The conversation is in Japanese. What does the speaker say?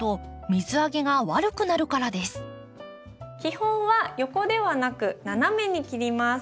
基本は横ではなく斜めに切ります。